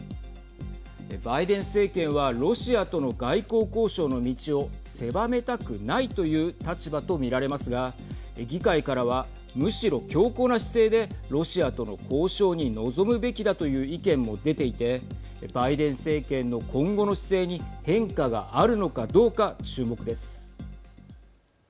バイデン政権はロシアとの外交交渉の道を狭めたくないという立場と見られますが議会からは、むしろ強硬な姿勢でロシアとの交渉に臨むべきだという意見も出ていてバイデン政権の今後の姿勢に変化があるのかどうか注目です。